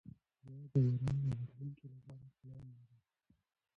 هغه د ایران د راتلونکي لپاره پلان لري.